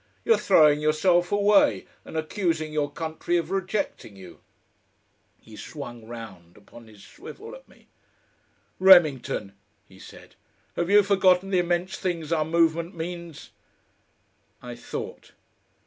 You're throwing yourself away and accusing your country of rejecting you." He swung round upon his swivel at me. "Remington," he said, "have you forgotten the immense things our movement means?" I thought.